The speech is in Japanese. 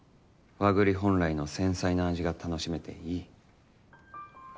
和栗本来の繊細な味が楽しめていい。